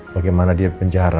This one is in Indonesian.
bagaimana dia di penjara